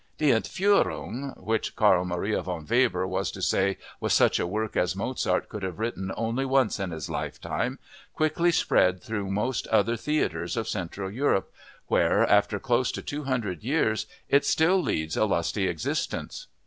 Die Entführung—which Carl Maria von Weber was to say was such a work as Mozart could have written only once in his lifetime—quickly spread through most other theaters of Central Europe, where, after close to two hundred years, it still leads a lusty existence.